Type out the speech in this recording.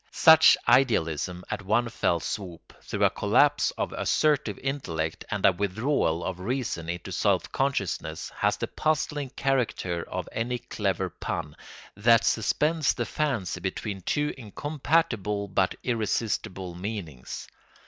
Such idealism at one fell swoop, through a collapse of assertive intellect and a withdrawal of reason into self consciousness, has the puzzling character of any clever pun, that suspends the fancy between two incompatible but irresistible meanings.